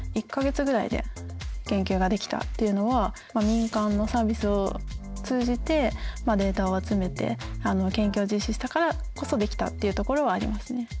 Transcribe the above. １か月ぐらいで研究ができたっていうのは民間のサービスを通じてデータを集めて研究を実施したからこそできたっていうところはありますね。